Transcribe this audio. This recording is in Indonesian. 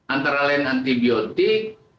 antara lain antibiotik